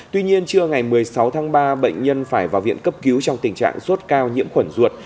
tuy nhiên trưa ngày một mươi sáu tháng ba bệnh nhân phải vào viện cấp cứu trong tình trạng sốt cao nhiễm khuẩn ruột